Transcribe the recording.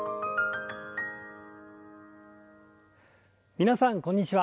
皆さんこんにちは。